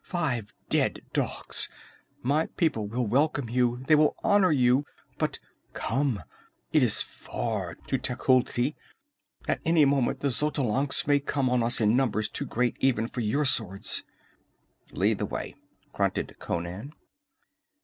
Five dead dogs! My people will welcome you! They will honor you! But come! It is far to Tecuhltli. At any moment the Xotalancas may come on us in numbers too great even for your swords." "Lead the way," grunted Conan.